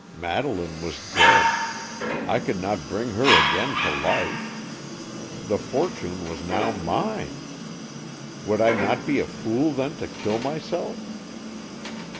Madeleine was dead. I could not bring her again to life. The fortune was now mine! Would I not be a fool then to kill myself?